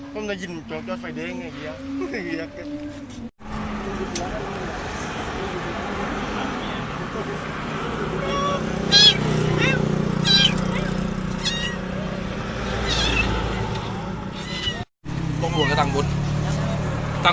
ประกันมากฝ่ายเกลียดในประกัน